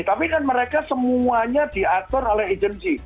tapi kan mereka semuanya di aktor oleh agency